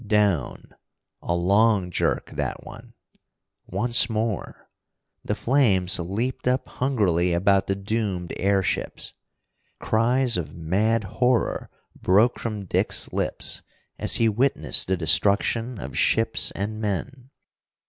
Down a long jerk that one! Once more! The flames leaped up hungrily about the doomed airships. Cries of mad horror broke from Dick's lips as he witnessed the destruction of ships and men.